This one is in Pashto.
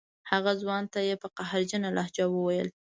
هغه ځوان ته یې په قهرجنه لهجه وویل.